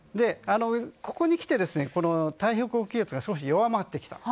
ここにきて太平洋高気圧が少し弱まってきた。